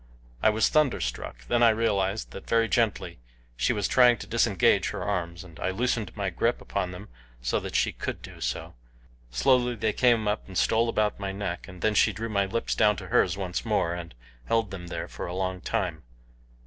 I was thunderstruck. Then I realized that, very gently, she was trying to disengage her arms, and I loosened my grip upon them so that she could do so. Slowly they came up and stole about my neck, and then she drew my lips down to hers once more and held them there for a long time.